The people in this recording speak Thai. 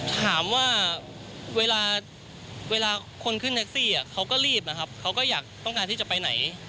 ถามว่าเวลาคนขึ้นแท็กซี่เขาก็รีบนะครับเขาก็อยากต้องการที่จะไปไหน